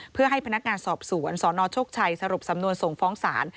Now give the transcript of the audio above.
เพื่อให้พนักงานสอบสวนสนโชคชัยสรุปสำนวนส่งฟ้องศาล